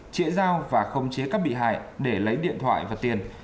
trị giao và không chế các bị hại để lấy điện thoại và tiền